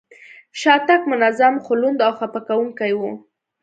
شاتګ منظم، خو لوند او خپه کوونکی و.